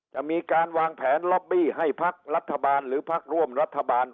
จะมีการวางแผนล็อบบี้ให้พักรัฐบาลหรือพักร่วมรัฐบาล